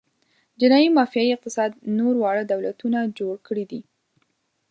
جنايي مافیايي اقتصاد نور واړه دولتونه جوړ کړي دي.